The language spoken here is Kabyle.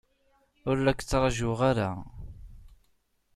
Ur la k-ttṛajuɣ ara.